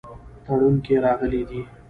تړون کې راغلي دي.